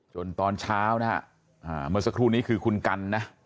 ตอนเช้านะฮะเมื่อสักครู่นี้คือคุณกันนะ